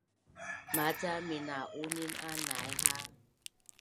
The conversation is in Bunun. maca mina’unin a nai ha